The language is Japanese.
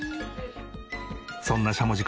そんなしゃもじ